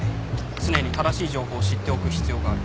常に正しい情報を知っておく必要がある。